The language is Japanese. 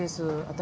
私。